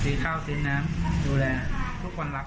ข้าวซื้อน้ำดูแลทุกคนรัก